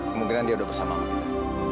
kemungkinan dia udah bersama sama kita